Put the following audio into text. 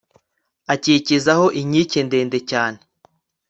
akikizaho inkike ndende cyane